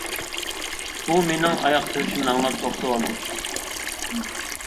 ئۇ مېنىڭ ئاياق تىۋىشىمنى ئاڭلاپ توختىۋالدى.